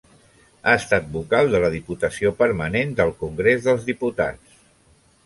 Ha estat vocal de la Diputació Permanent del Congrés dels Diputats.